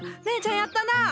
姉ちゃんやったな！